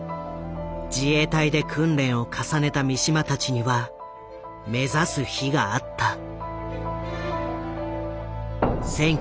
自衛隊で訓練を重ねた三島たちには目指す日があった。